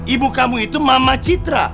ibu kamu itu mama citra